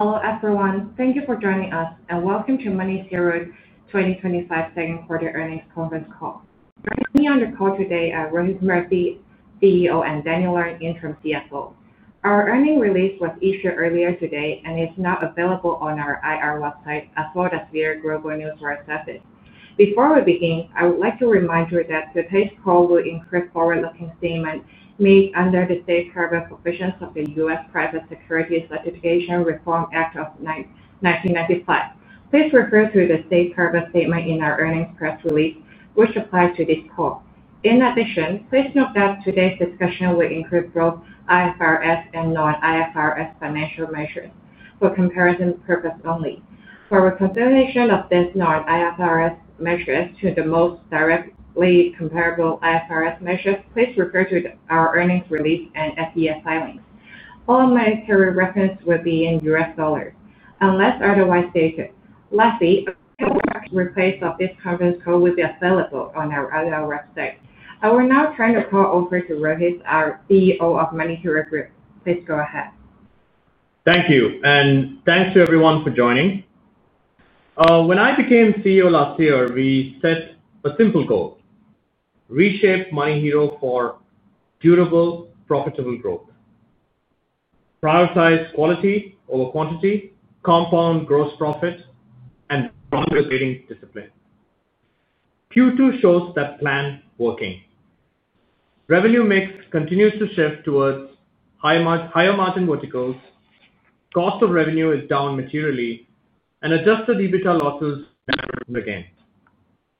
Hello, everyone. Thank you for joining us, and welcome to MoneyHero Group's 2025 second quarter earnings conference call. We're currently on the call today with Rohith Murthy, CEO, and Danny Leung, Interim CFO. Our earnings release was issued earlier today and is now available on our website as well as via Global News Roundtable. Before we begin, I would like to remind you that today's call will include a forward-looking statement made under the safe harbor provisions of the U.S. Private Securities Litigation Reform Act of 1995. Please refer to the safe harbor statement in our earnings press release, which applies to this call. In addition, please note that today's discussion will include both IFRS and non-IFRS financial measures for comparison purposes only. For a reconciliation of these non-IFRS measures to the most directly comparable IFRS measures, please refer to our earnings release and SEC filings. All MoneyHero Group references will be in US dollars, unless otherwise stated. Lastly, the replays of this conference call will be available on our investor relations website. I will now turn the call over to Rohith, our CEO of MoneyHero Group. Please go ahead. Thank you, and thanks to everyone for joining. When I became CEO last year, we set a simple goal: reshape MoneyHero for durable, profitable growth. Prioritize quality over quantity, compound gross profit, and underpinning discipline. Q2 shows that plan working. Revenue mix continues to shift towards higher margin verticals, cost of revenue is down materially, and adjusted EBITDA losses regained.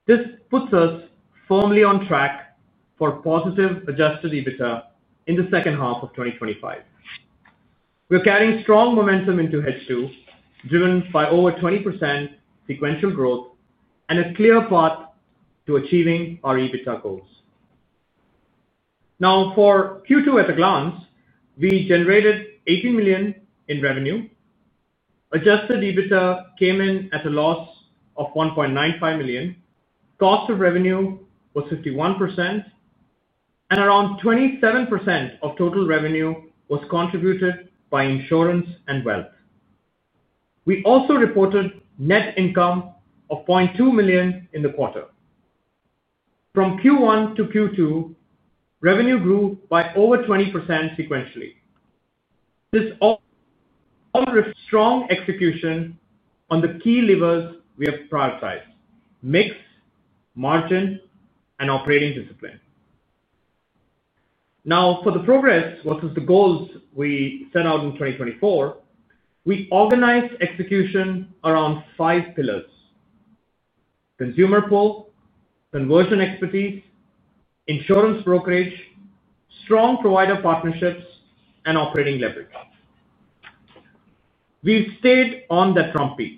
This puts us firmly on track for positive adjusted EBITDA in the second half of 2025. We're carrying strong momentum into H2, driven by over 20% sequential growth and a clear path to achieving our EBITDA goals. Now, for Q2 at a glance, we generated $18 million in revenue. Adjusted EBITDA came in at a loss of $1.95 million. Cost of revenue was 51%, and around 27% of total revenue was contributed by insurance and wealth. We also reported net income of $0.2 million in the quarter. From Q1 to Q2, revenue grew by over 20% sequentially. This all reflects strong execution on the key levers we have prioritized: mix, margin, and operating discipline. Now, for the progress versus the goals we set out in 2024, we organized execution around five pillars: consumer pool, conversion expertise, insurance brokerage, strong provider partnerships, and operating leverage. We've stayed on that trumpet.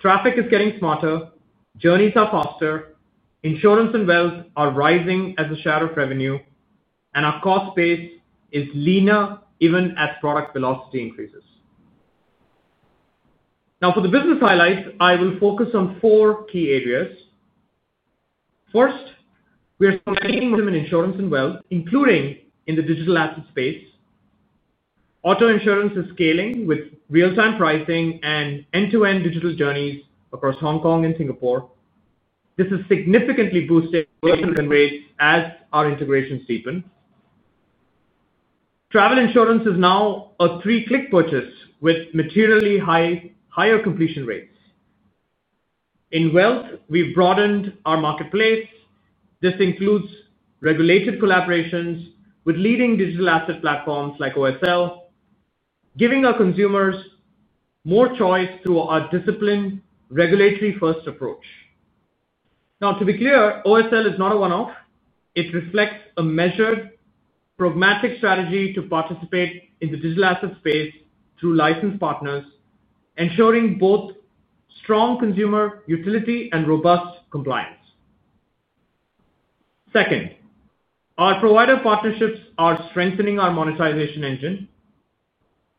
Traffic is getting smarter, journeys are faster, insurance and wealth are rising as a share of revenue, and our cost base is leaner even as product velocity increases. Now, for the business highlights, I will focus on four key areas. First, we are selling premium insurance and wealth, including in the digital asset space. Auto insurance is scaling with real-time pricing and end-to-end digital journeys across Hong Kong and Singapore. This has significantly boosted conversion rates as our integrations deepen. Travel insurance is now a three-click purchase with materially higher completion rates. In wealth, we've broadened our marketplace. This includes regulated collaborations with leading digital asset platforms like OSL, giving our consumers more choice through our disciplined regulatory-first approach. Now, to be clear, OSL is not a one-off. It reflects a measured, pragmatic strategy to participate in the digital asset space through licensed partners, ensuring both strong consumer utility and robust compliance. Second, our provider partnerships are strengthening our monetization engine.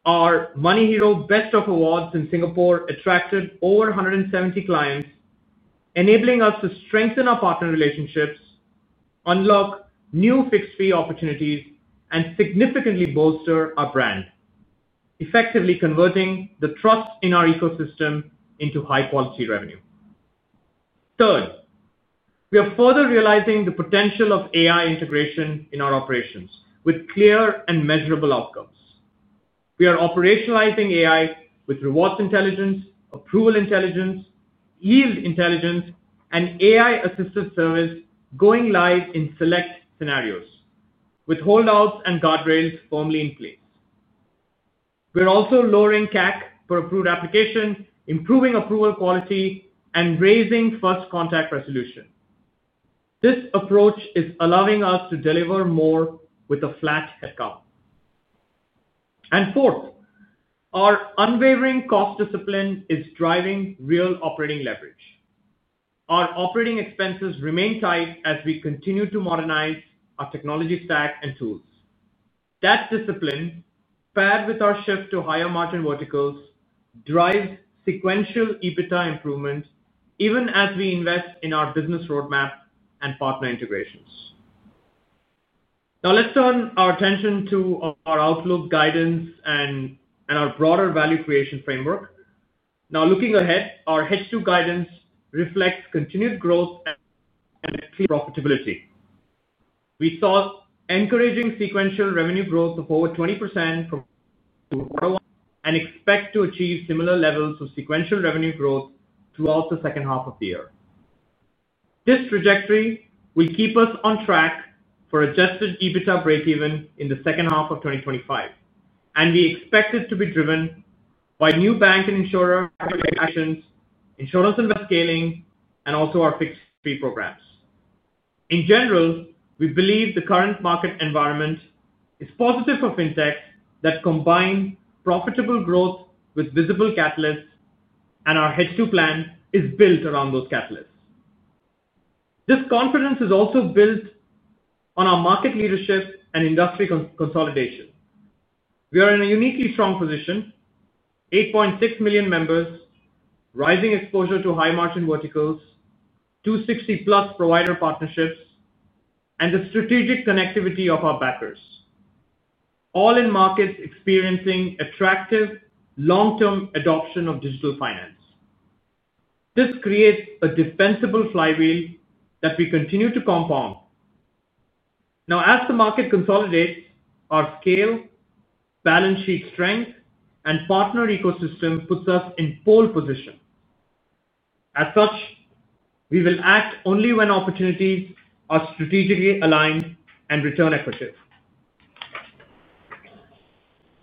Our MoneyHero Best of Awards in Singapore attracted over 170 clients, enabling us to strengthen our partner relationships, unlock new fixed-fee opportunities, and significantly bolster our brand, effectively converting the trust in our ecosystem into high-quality revenue. Third, we are further realizing the potential of AI integration in our operations with clear and measurable outcomes. We are operationalizing AI with rewards intelligence, approval intelligence, yield intelligence, and AI-assisted service going live in select scenarios, with holdouts and guardrails firmly in place. We're also lowering CAC for approved application, improving approval quality, and raising first contact resolution. This approach is allowing us to deliver more with a flat headcount. Fourth, our unwavering cost discipline is driving real operating leverage. Our operating expenses remain tight as we continue to modernize our technology stack and tools. That discipline, paired with our shift to higher margin verticals, drives sequential EBITDA improvement, even as we invest in our business roadmap and partner integrations. Now, let's turn our attention to our outlook guidance and our broader value creation framework. Looking ahead, our H2 guidance reflects continued growth and profitability. We saw encouraging sequential revenue growth of over 20% from quarter one and expect to achieve similar levels of sequential revenue growth throughout the second half of the year. This trajectory will keep us on track for adjusted EBITDA breakeven in the second half of 2025, and we expect it to be driven by new bank and insurer actions, insurance and risk scaling, and also our fixed-fee programs. In general, we believe the current market environment is positive for fintechs that combine profitable growth with visible catalysts, and our H2 plan is built around those catalysts. This confidence is also built on our market leadership and industry consolidation. We are in a uniquely strong position: 8.6 million members, rising exposure to high margin verticals, 260-plus provider partnerships, and the strategic connectivity of our backers, all in markets experiencing attractive long-term adoption of digital finance. This creates a defensible flywheel that we continue to compound. As the market consolidates, our scale, balance sheet strength, and partner ecosystem puts us in pole position. We will act only when opportunities are strategically aligned and return effective.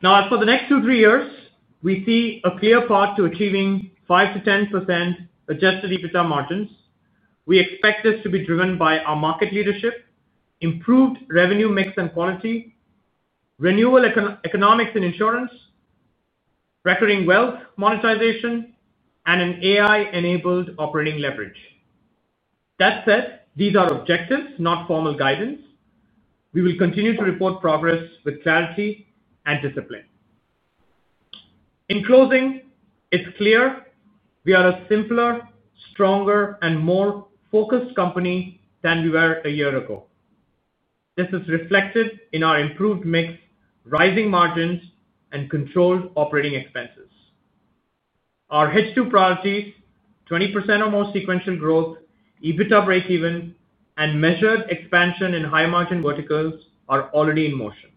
Now, for the next two to three years, we see a clear path to achieving 5% to 10% adjusted EBITDA margins. We expect this to be driven by our market leadership, improved revenue mix and quality, renewable economics in insurance, recording wealth monetization, and an AI-enabled operating leverage. That said, these are objectives, not formal guidance. We will continue to report progress with clarity and discipline. In closing, it's clear we are a simpler, stronger, and more focused company than we were a year ago. This is reflected in our improved mix, rising margins, and controlled operating expenses. Our H2 priorities, 20% or more sequential growth, EBITDA breakeven, and measured expansion in high margin verticals are already in motion.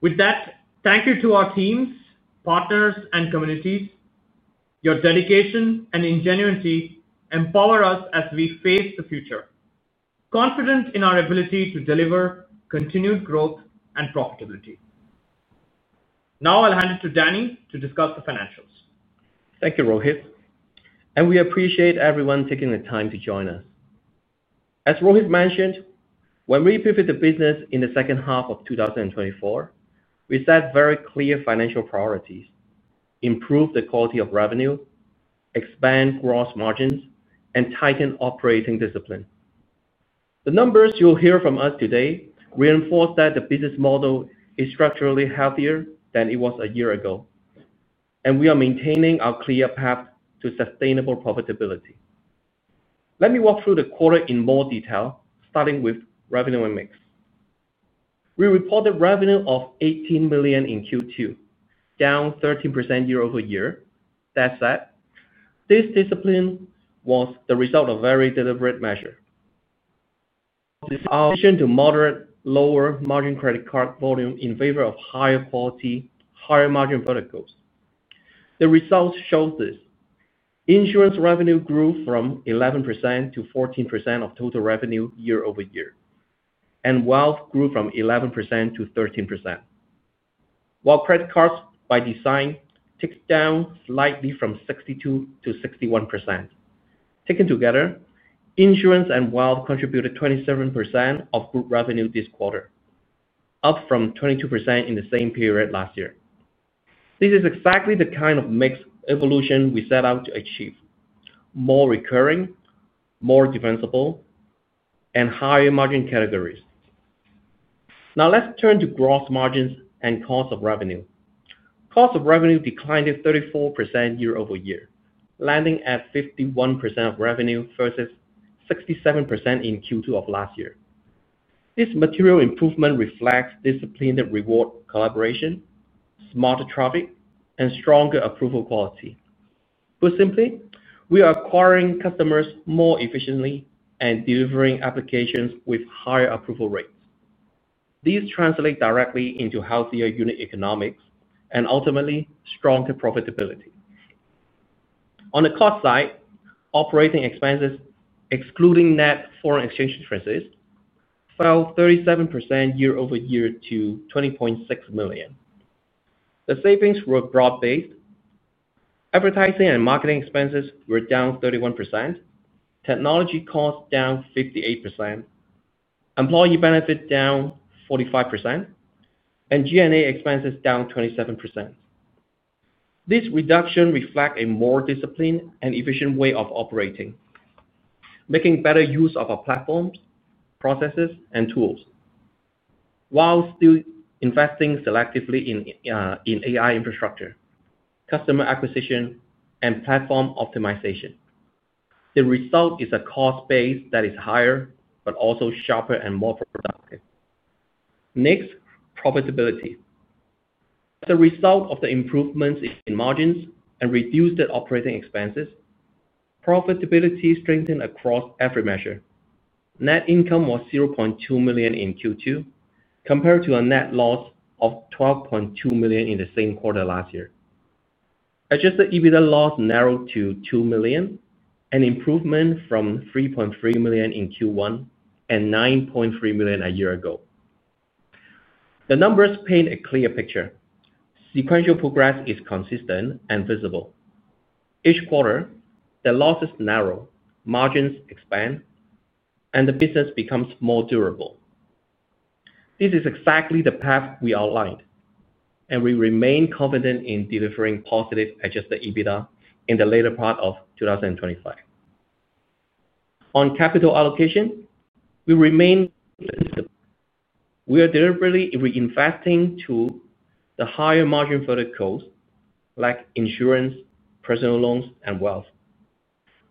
With that, thank you to our teams, partners, and community. Your dedication and ingenuity empower us as we face the future, confident in our ability to deliver continued growth and profitability. Now, I'll hand it to Danny to discuss the financials. Thank you, Rohith. We appreciate everyone taking the time to join us. As Rohith mentioned, when we pivoted the business in the second half of 2024, we set very clear financial priorities: improve the quality of revenue, expand gross margins, and tighten operating discipline. The numbers you'll hear from us today reinforce that the business model is structurally healthier than it was a year ago, and we are maintaining our clear path to sustainable profitability. Let me walk through the quarter in more detail, starting with revenue and mix. We reported revenue of $18 million in Q2, down 13% year-over-year. This discipline was the result of a very deliberate measure. Our position was to moderate lower margin credit card volume in favor of higher quality, higher margin verticals. The results show this: insurance revenue grew from 11% to 14% of total revenue year-over-year, and wealth grew from 11% to 13%, while credit cards by design ticked down slightly from 62% to 61%. Taken together, insurance and wealth contributed 27% of group revenue this quarter, up from 22% in the same period last year. This is exactly the kind of mix evolution we set out to achieve: more recurring, more defensible, and higher margin categories. Now, let's turn to gross margins and cost of revenue. Cost of revenue declined to 34% year-over-year, landing at 51% of revenue versus 67% in Q2 of last year. This material improvement reflects disciplined reward collaboration, smarter traffic, and stronger approval quality. Put simply, we are acquiring customers more efficiently and delivering applications with higher approval rates. These translate directly into healthier unit economics and ultimately stronger profitability. On the cost side, operating expenses, excluding net foreign exchange expenses, fell 37% year-over-year to $20.6 million. The savings were broad-based: advertising and marketing expenses were down 31%, technology costs down 58%, employee benefits down 45%, and G&A expenses down 27%. This reduction reflects a more disciplined and efficient way of operating, making better use of our platforms, processes, and tools, while still investing selectively in AI infrastructure, customer acquisition, and platform optimization. The result is a cost base that is higher, but also sharper and more productive. Next, profitability. The result of the improvements is in margins and reduced operating expenses. Profitability strengthened across every measure. Net income was $0.2 million in Q2, compared to a net loss of $12.2 million in the same quarter last year. Adjusted EBITDA loss narrowed to $2 million, an improvement from $3.3 million in Q1 and $9.3 million a year ago. The numbers paint a clear picture. Sequential progress is consistent and visible. Each quarter, the losses narrow, margins expand, and the business becomes more durable. This is exactly the path we outlined, and we remain confident in delivering positive adjusted EBITDA in the later part of 2025. On capital allocation, we remain flexible. We are deliberately reinvesting into the higher margin verticals, like insurance, personal loans, and wealth,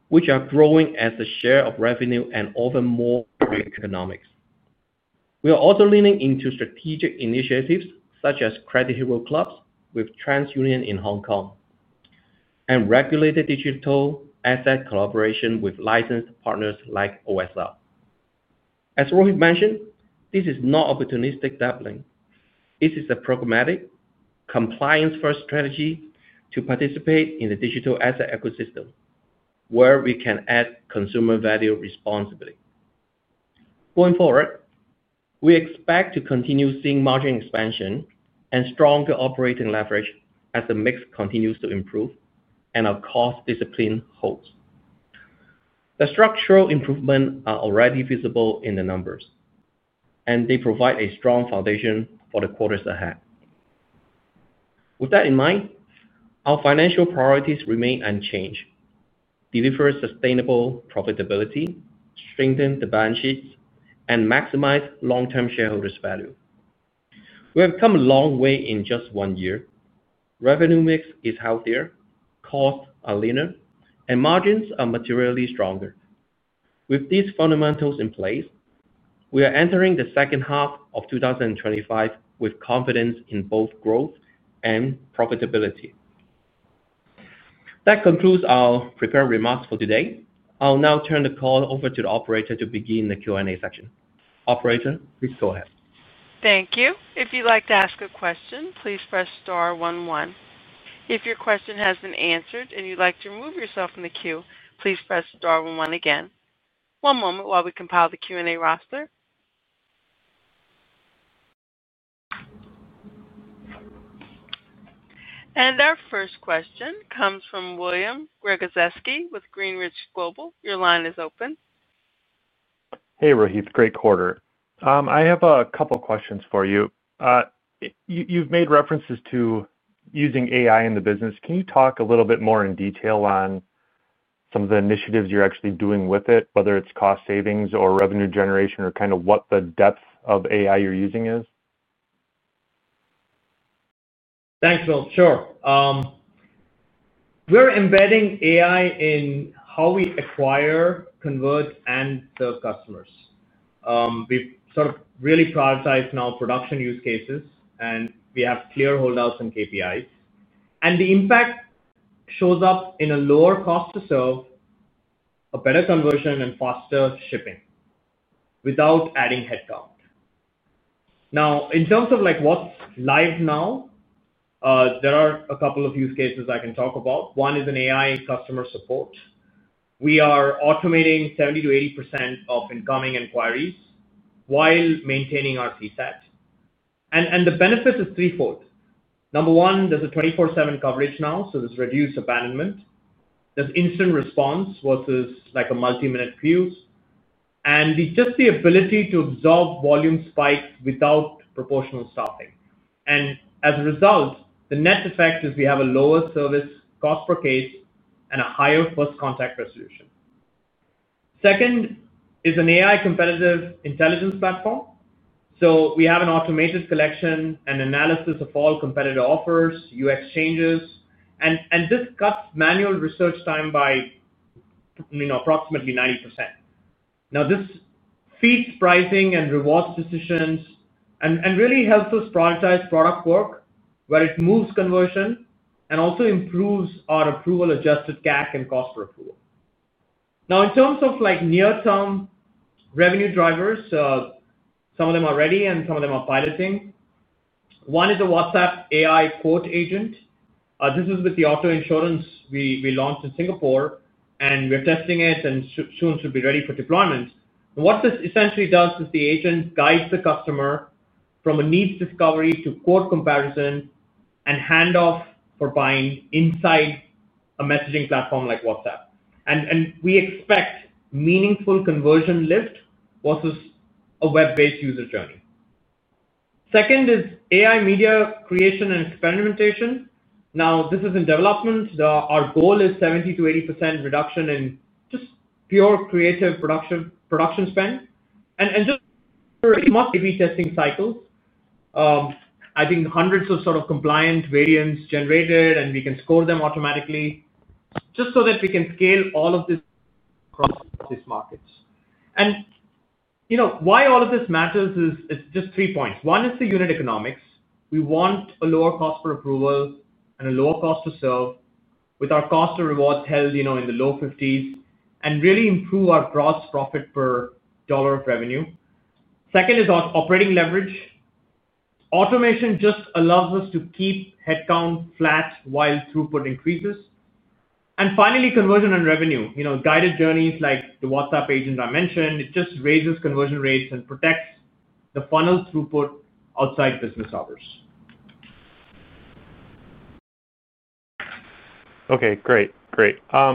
which are growing as the share of revenue and often more every economics. We are also leaning into strategic initiatives such as Credit Hero Club with TransUnion in Hong Kong and regulated digital asset collaboration with licensed partners like OSL. As Rohith mentioned, this is not opportunistic dabbling. This is a programmatic, compliance-first strategy to participate in the digital asset ecosystem, where we can add consumer value responsibly. Going forward, we expect to continue seeing margin expansion and stronger operating leverage as the mix continues to improve and our cost discipline holds. The structural improvements are already visible in the numbers, and they provide a strong foundation for the quarters ahead. With that in mind, our financial priorities remain unchanged: deliver sustainable profitability, strengthen the balance sheets, and maximize long-term shareholders' value. We have come a long way in just one year. Revenue mix is healthier, costs are leaner, and margins are materially stronger. With these fundamentals in place, we are entering the second half of 2025 with confidence in both growth and profitability. That concludes our prepared remarks for today. I'll now turn the call over to the operator to begin the Q&A session. Operator, please go ahead. Thank you. If you'd like to ask a question, please press star-1-1. If your question has been answered and you'd like to remove yourself from the queue, please press star-1-1 again. One moment while we compile the Q&A roster. Our first question comes from William R. Gregozeski with Greenridge Global LLC. Your line is open. Hey, Rohith. Great quarter. I have a couple of questions for you. You've made references to using AI in the business. Can you talk a little bit more in detail on some of the initiatives you're actually doing with it, whether it's cost savings or revenue generation, or kind of what the depth of AI you're using is? Thanks, Phil. Sure. We're embedding AI in how we acquire, convert, and serve customers. We've really prioritized now production use cases, and we have clear holdouts and KPIs. The impact shows up in a lower cost to serve, a better conversion, and faster shipping without adding headcount. In terms of what's live now, there are a couple of use cases I can talk about. One is in AI customer support. We are automating 70% to 80% of incoming inquiries while maintaining our feed set. The benefits are threefold. Number one, there's a 24/7 coverage now, so there's reduced abandonment. There's instant response versus a multi-minute queue. We see the ability to absorb volume spikes without proportional stopping. As a result, the net effect is we have a lower service cost per case and a higher first contact resolution. Second is an AI competitive intelligence platform. We have an automated collection and analysis of all competitor offers, U.S. changes, and this cuts manual research time by approximately 90%. This feeds pricing and rewards decisions and really helps us prioritize product work where it moves conversion and also improves our approval-adjusted CAC and cost per approval. In terms of near-term revenue drivers, some of them are ready and some of them are piloting. One is the WhatsApp AI quote agent. This is with the auto insurance we launched in Singapore, and we're testing it and soon should be ready for deployment. What this essentially does is the agent guides the customer from a needs discovery to quote comparison and handoff for buying inside a messaging platform like WhatsApp. We expect meaningful conversion lift versus a web-based user journey. Second is AI media creation and experimentation. This is in development. Our goal is 70% to 80% reduction in just pure creative production spend. For a must-be testing cycle, I think hundreds of compliant variants generated, and we can score them automatically just so that we can scale all of this across these markets. Why all of this matters is just three points. One is the unit economics. We want a lower cost per approval and a lower cost to serve with our cost of rewards held in the low 50% and really improve our gross profit per dollar of revenue. Second is our operating leverage. Automation allows us to keep headcount flat while throughput increases. Finally, conversion and revenue. Guided journeys like the WhatsApp agent I mentioned just raise conversion rates and protect the funnel throughput outside business hours. Okay, great, great. I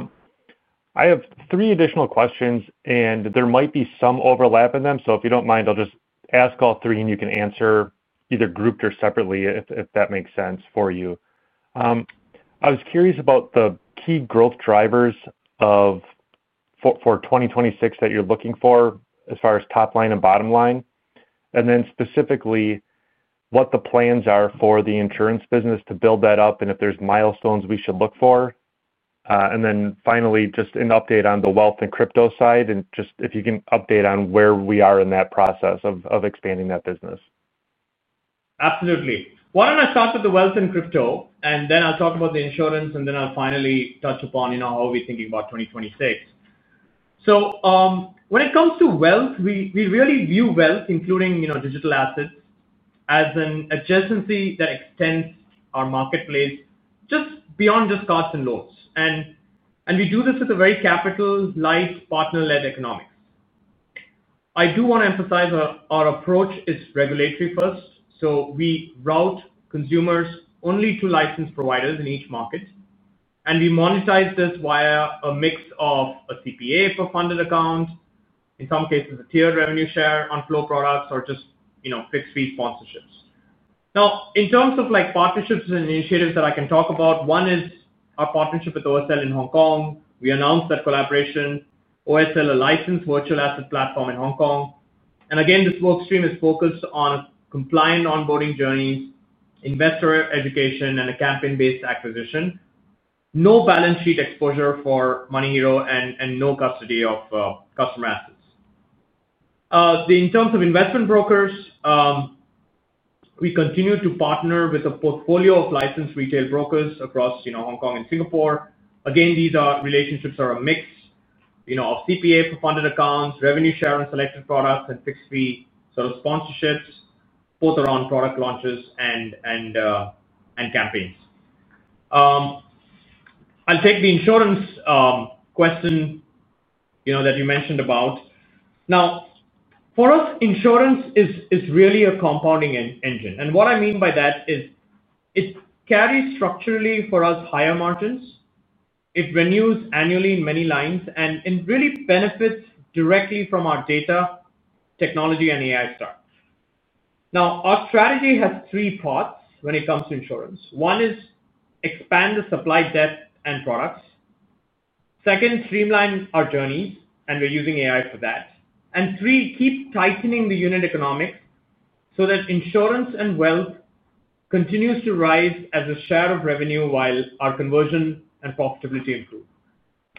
have three additional questions, and there might be some overlap in them. If you don't mind, I'll just ask all three, and you can answer either grouped or separately if that makes sense for you. I was curious about the key growth drivers for 2026 that you're looking for as far as top line and bottom line, and then specifically what the plans are for the insurance business to build that up and if there's milestones we should look for. Finally, just an update on the wealth and crypto side, and just if you can update on where we are in that process of expanding that business. Absolutely. Why don't I start with the wealth and crypto, and then I'll talk about the insurance, and then I'll finally touch upon how are we thinking about 2026. When it comes to wealth, we really view wealth, including digital assets, as an adjacency that extends our marketplace just beyond just credit cards and personal loans. We do this with a very capital-led, partner-led economics. I do want to emphasize our approach is regulatory-first. We route consumers only to licensed providers in each market, and we monetize this via a mix of a CPA for funded accounts, in some cases a tiered revenue share on flow products or just fixed-fee and sponsorship programs. In terms of partnerships and initiatives that I can talk about, one is our partnership with OSL in Hong Kong. We announced that collaboration. OSL, a licensed virtual asset platform in Hong Kong. This workstream is focused on a compliant onboarding journey, investor education, and a campaign-based acquisition. No balance sheet exposure for MoneyHero and no custody of customer assets. In terms of investment brokers, we continue to partner with a portfolio of licensed retail brokers across Hong Kong and Singapore. These relationships are a mix of CPA for funded accounts, revenue sharing selected products, and fixed-fee sort of sponsorships, both around product launches and campaigns. I'll take the insurance question that you mentioned about. For us, insurance is really a compounding engine. What I mean by that is it carries structurally for us higher margins. It renews annually in many lines and really benefits directly from our data, technology, and AI stacks. Our strategy has three parts when it comes to insurance. One is expand the supply depth and products. Second, streamline our journeys, and we're using AI for that. Three, keep tightening the unit economics so that insurance and wealth continue to rise as a share of revenue while our conversion and profitability improve.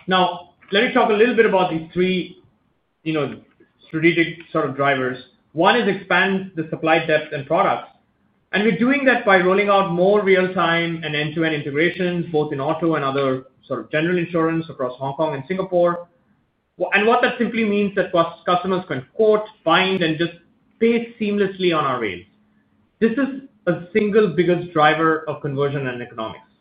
Let me talk a little bit about these three strategic sort of drivers. One is expand the supply depth and products, and we're doing that by rolling out more real-time and end-to-end integrations, both in car insurance and other sort of general insurance across Hong Kong and Singapore. What that simply means is that customers can quote, find, and just pay seamlessly on our vehicle. This is the single biggest driver of conversion and economics.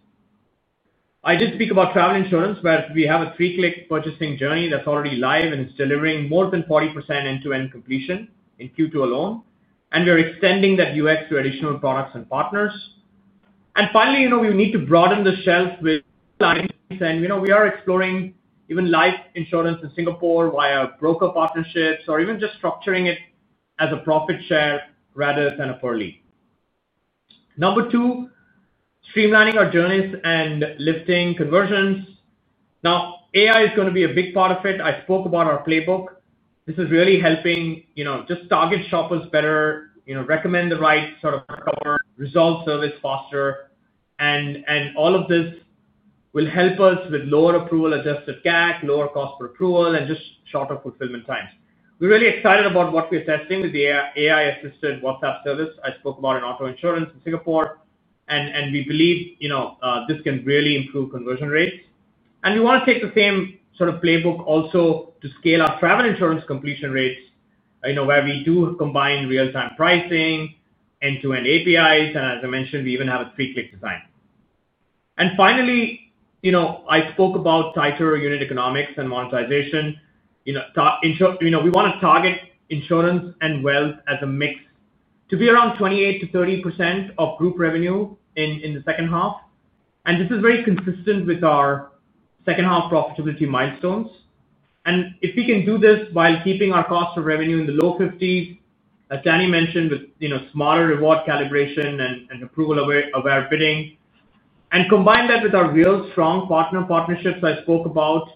I just speak about travel insurance, where we have a three-click purchasing journey that's already live, and it's delivering more than 40% end-to-end completion in Q2 alone. We are extending that UX to additional products and partners. Finally, we need to broaden the shelf with clients, and we are exploring even live insurance in Singapore via broker partnerships or even just structuring it as a profit share rather than a per lead. Number two, streamlining our journeys and lifting conversions. Now, AI is going to be a big part of it. I spoke about our playbook. This is really helping just target shoppers better, recommend the right sort of customer, resolve service faster. All of this will help us with lower approval-adjusted CAC, lower cost per approval, and just shorter fulfillment times. We're really excited about what we're testing with the AI-assisted WhatsApp service I spoke about in auto insurance in Singapore. We believe this can really improve conversion rates. We want to take the same sort of playbook also to scale our travel insurance completion rates, where we do combine real-time pricing, end-to-end APIs, and as I mentioned, we even have a three-click design. Finally, I spoke about tighter unit economics and monetization. We want to target insurance and wealth as a mix to be around 28% to 30% of group revenue in the second half. This is very consistent with our second-half profitability milestones. If we can do this while keeping our cost of revenue in the low 50s, as Danny mentioned, with smarter reward calibration and approval-aware bidding, and combine that with our real strong partner partnerships I spoke about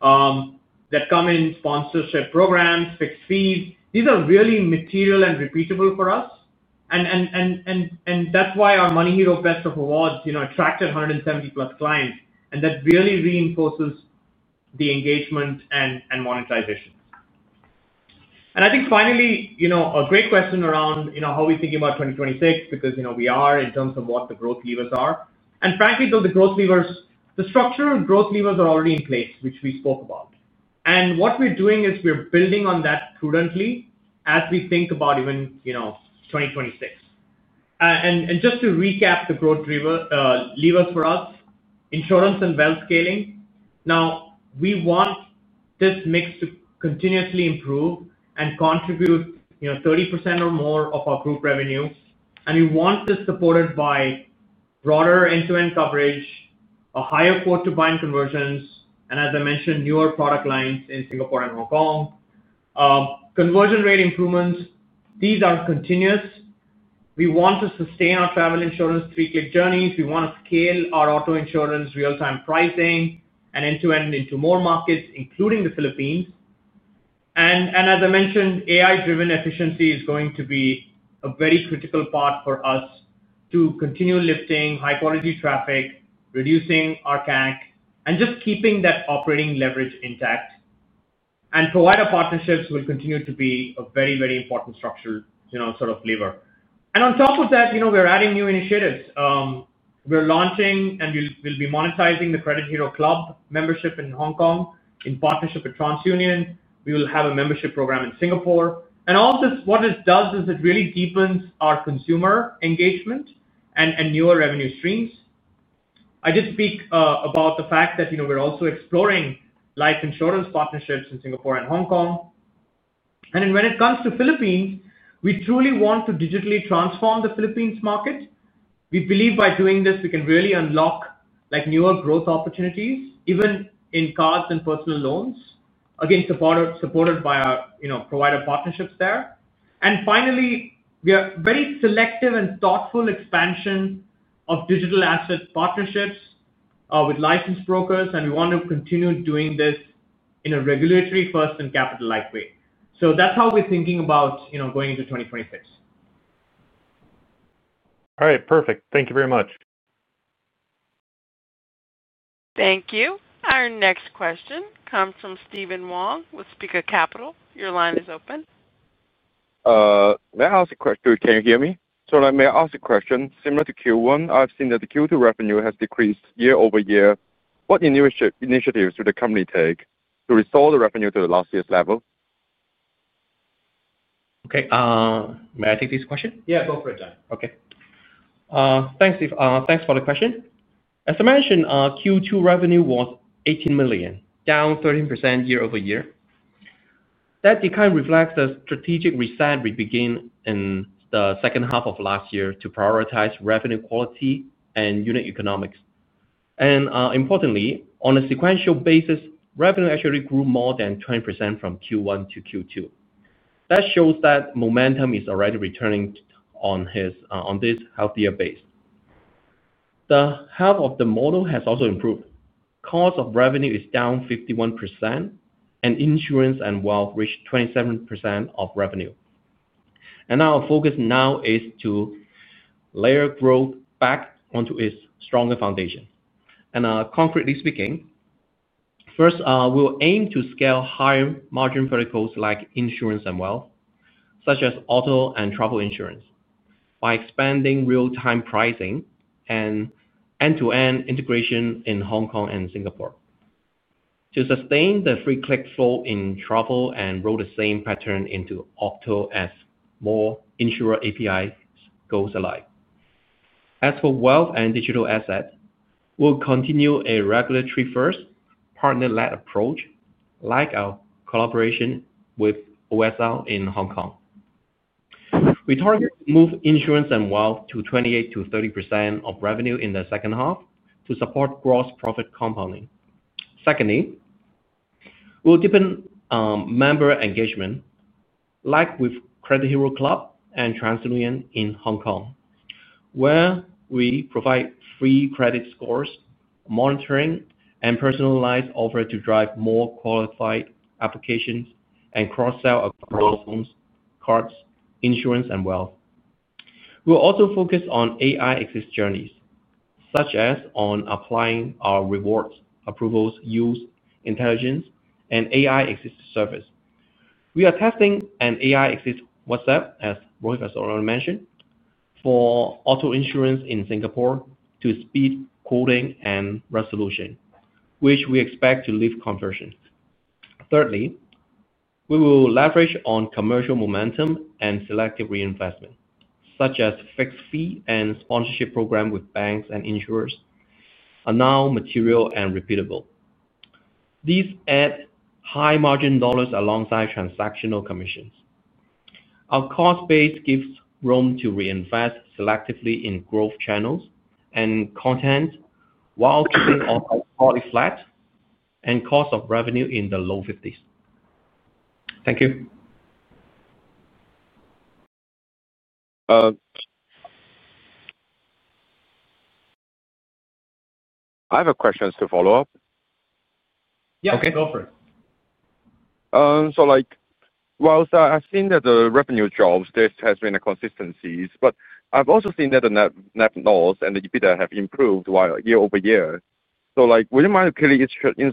that come in sponsorship programs, fixed fees, these are really material and repeatable for us. That's why our MoneyHero Best of Awards attracted 170-plus clients, and that really reinforces the engagement and monetization. I think finally, a great question around how are we thinking about 2026 because we are in terms of what the growth levers are. Frankly, though the growth levers, the structural growth levers are already in place, which we spoke about. What we're doing is we're building on that prudently as we think about even 2026. Just to recap the growth levers for us, insurance and wealth scaling. Now, we want this mix to continuously improve and contribute 30% or more of our group revenue. We want this supported by broader end-to-end coverage, higher quote-to-buy conversions, and, as I mentioned, newer product lines in Singapore and Hong Kong. Conversion rate improvements are continuous. We want to sustain our travel insurance three-click journeys. We want to scale our auto insurance real-time pricing and end-to-end into more markets, including the Philippines. As I mentioned, AI-driven efficiency is going to be a very critical part for us to continue lifting high-quality traffic, reducing our CAC, and just keeping that operating leverage intact. Provider partnerships will continue to be a very, very important structural sort of lever. On top of that, you know we're adding new initiatives. We're launching and we'll be monetizing the Credit Hero Club membership in Hong Kong in partnership with TransUnion. We will have a membership program in Singapore. All of this really deepens our consumer engagement and newer revenue streams. I just speak about the fact that we're also exploring life insurance partnerships in Singapore and Hong Kong. When it comes to the Philippines, we truly want to digitally transform the Philippines market. We believe by doing this, we can really unlock newer growth opportunities, even in credit cards and personal loans, again supported by our provider partnerships there. Finally, we are very selective and thoughtful in the expansion of digital asset partnerships with licensed brokers, and we want to continue doing this in a regulatory-first and capital-lightweight way. That's how we're thinking about going into 2026. All right, perfect. Thank you very much. Thank you. Our next question comes from Stephen Wong with Speaker Capital. Your line is open. May I ask a question? Can you hear me? May I ask a question? Similar to Q1, I've seen that the Q2 revenue has decreased year over year. What initiatives should the company take to restore the revenue to last year's level? Okay. May I take this question? Yeah, go for it, Danny. Okay. Thanks, Steve. Thanks for the question. As I mentioned, Q2 revenue was $18 million, down 13% year over year. That decline reflects the strategic reset we began in the second half of last year to prioritize revenue quality and unit economics. Importantly, on a sequential basis, revenue actually grew more than 20% from Q1 to Q2. That shows that momentum is already returning on this healthier base. The health of the model has also improved. Cost of revenue is down 51%, and insurance and wealth reached 27% of revenue. Our focus now is to layer growth back onto its stronger foundation. Concretely speaking, first, we'll aim to scale higher margin verticals like insurance and wealth, such as auto and travel insurance, by expanding real-time pricing and end-to-end integration in Hong Kong and Singapore. To sustain the free click flow in travel and roll the same pattern into auto as more insurer API goals alike. As for wealth and digital assets, we'll continue a regulatory-first partner-led approach, like our collaboration with OSL in Hong Kong. We target to move insurance and wealth to 28% to 30% of revenue in the second half to support gross profit compounding. Secondly, we'll deepen member engagement, like with Credit Hero Club and TransUnion in Hong Kong, where we provide free credit scores, monitoring, and personalized offers to drive more qualified applications and cross-sell across phones, cards, insurance, and wealth. We'll also focus on AI assist journeys, such as on applying our rewards, approvals, use, intelligence, and AI assist service. We are testing an AI assist WhatsApp, as Rohith has already mentioned, for auto insurance in Singapore to speed quoting and resolution, which we expect to lift conversion. Thirdly, we will leverage on commercial momentum and selective reinvestment, such as fixed-fee and sponsorship programs with banks and insurers, are now material and repeatable. These add high margin dollars alongside transactional commissions. Our cost base gives room to reinvest selectively in growth channels and content while keeping our quality flat and cost of revenue in the low 50s. Thank you. I have a question to follow up. Yeah, go for it. I've seen that the revenue drops, this has been a consistency, but I've also seen that the net loss and the EBITDA have improved year over year. Would you mind clearly illustrating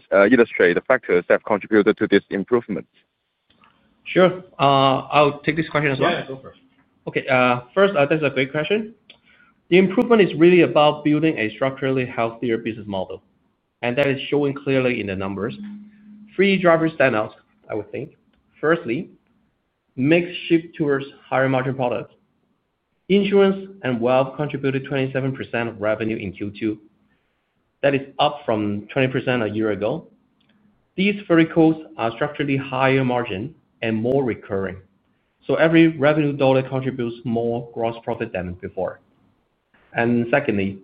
the factors that have contributed to this improvement? Sure, I'll take this question as well. Yeah, go for it. Okay. First, that's a great question. The improvement is really about building a structurally healthier business model, and that is showing clearly in the numbers. Three drivers stand out, I would think. Firstly, mix shift towards higher margin products. Insurance and wealth contributed 27% of revenue in Q2. That is up from 20% a year ago. These verticals are structurally higher margin and more recurring, so every revenue dollar contributes more gross profit than before. Secondly,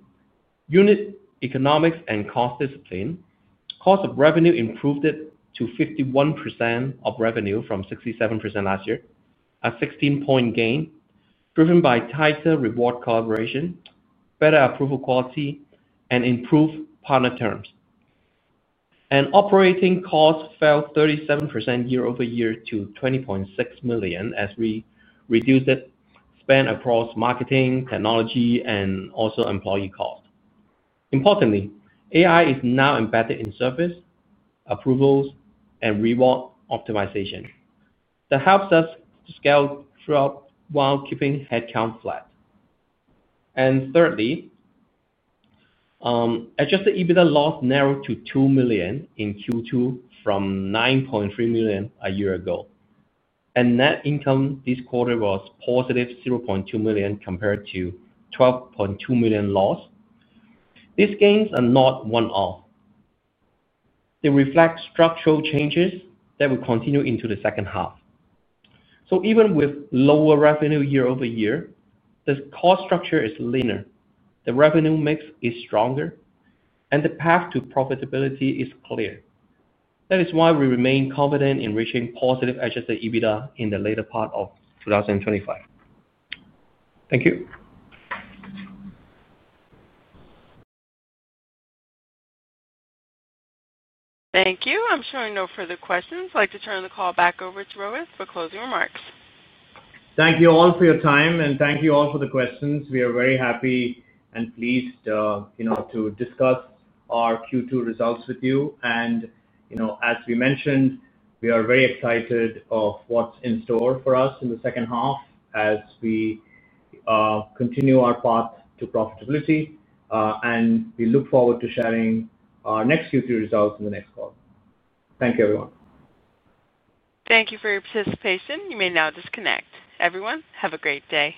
unit economics and cost discipline. Cost of revenue improved to 51% of revenue from 67% last year, a 16-point gain, driven by tighter reward collaboration, better approval quality, and improved partner terms. Operating costs fell 37% year over year to $20.6 million as we reduced the spend across marketing, technology, and also employee costs. Importantly, AI is now embedded in service, approvals, and reward optimization. That helps us to scale throughout while keeping headcount flat. Thirdly, adjusted EBITDA loss narrowed to $2 million in Q2 from $9.3 million a year ago. Net income this quarter was positive $0.2 million compared to $12.2 million loss. These gains are not one-off. They reflect structural changes that will continue into the second half. Even with lower revenue year over year, the cost structure is leaner, the revenue mix is stronger, and the path to profitability is clear. That is why we remain confident in reaching positive adjusted EBITDA in the later part of 2025. Thank you. Thank you. I'm showing no further questions. I'd like to turn the call back over to Rohith for closing remarks. Thank you all for your time, and thank you all for the questions. We are very happy and pleased to discuss our Q2 results with you. As we mentioned, we are very excited of what's in store for us in the second half as we continue our path to profitability. We look forward to sharing our next Q3 results in the next call. Thank you, everyone. Thank you for your participation. You may now disconnect. Everyone, have a great day.